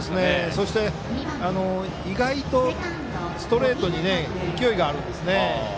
そして意外とストレートに勢いがあるんですよね。